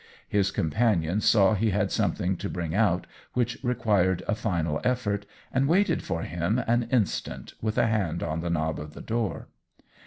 His companion saw he had something to bring out which required a final effort, and waited for him an instant with a hand on the knob of the door.